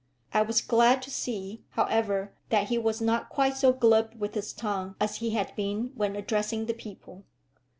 I was glad to see, however, that he was not quite so glib with his tongue as he had been when addressing the people.